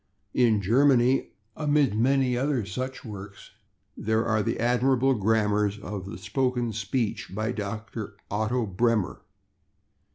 In Germany, amid many other such works, there are the admirable grammars of the spoken speech by Dr. Otto Bremer.